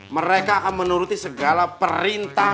mereka akan menuruti segala perintah